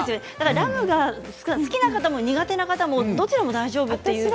ラムが好きな方も苦手な方も、どちらでも大丈夫ですよ。